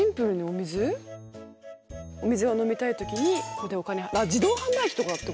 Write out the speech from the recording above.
お水が飲みたい時にここでお金。